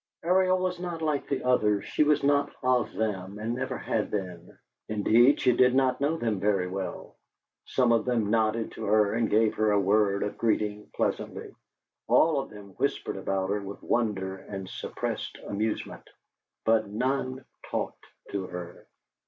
Ariel was not like the others; she was not of them, and never had been. Indeed, she did not know them very well. Some of them nodded to her and gave her a word of greeting pleasantly; all of them whispered about her with wonder and suppressed amusement; but none talked to her.